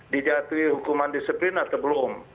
dijatuhi hukuman disiplin atau belum